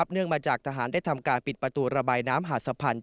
เนื่องมาจากทหารได้ทำการปิดประตูระบายน้ำหาดสะพาน